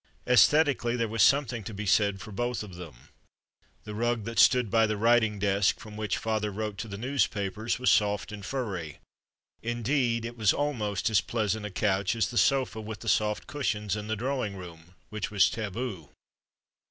^Esthetically, there was something to be said for both of them. The rug that stood by the writing desk from which father wrote to the newspapers was soft and furry ; indeed, it was almost as pleasant a couch as the sofa with the soft cushions in the draw ing room, which was taboo.